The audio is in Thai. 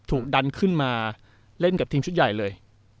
ถูกดันขึ้นมาเล่นกับทีมชุดใหญ่เลย